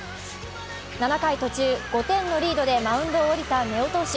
７回途中、５点のリードでマウンドを降りた根尾投手。